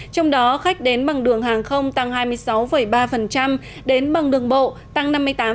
trong đó khách đến bằng đường hàng không tăng hai mươi sáu ba đến bằng đường bộ tăng năm mươi tám